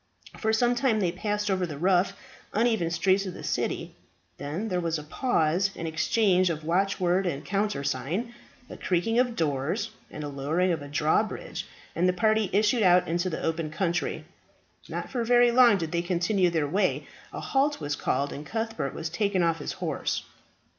For some time they passed over the rough, uneven streets of the city; then there was a pause and exchange of watchword and countersign, a creaking of doors, and a lowering of a drawbridge, and the party issued out into the open country. Not for very long did they continue their way; a halt was called, and Cuthbert was taken off his horse.